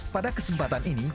pada kesempatan ini